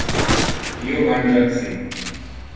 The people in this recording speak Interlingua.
Io mangia ci.